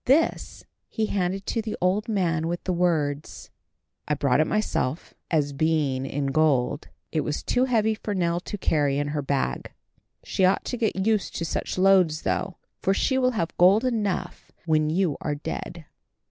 This he handed to the old man with the words, "I brought it myself, as, being in gold, it was too heavy for Nell to carry in her bag. She ought to get used to such loads though, for she will have gold enough when you are dead."